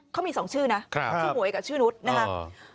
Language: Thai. เขามี๒ชื่อนะชื่อหวยกับชื่อนุษย์นะครับ